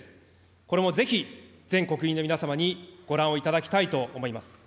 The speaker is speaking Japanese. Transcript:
これもぜひ、全国民の皆様にご覧をいただきたいと思います。